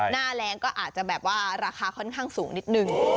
หน้าแรงก็อาจจะแบบว่าราคาค่อนข้างสูงนิดนึง